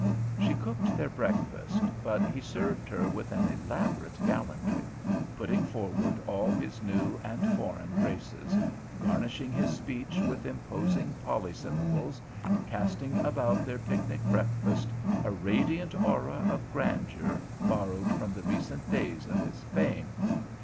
She cooked their breakfast, but he served her with an elaborate gallantry, putting forward all his new and foreign graces, garnishing his speech with imposing polysyllables, casting about their picnic breakfast a radiant aura of grandeur borrowed from the recent days of his fame.